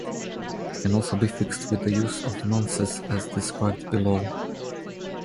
It can also be fixed with the use of nonces as described below.